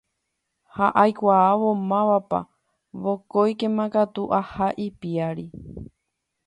Ha aikuaávo mávapa vokóikema katu aha ipiári.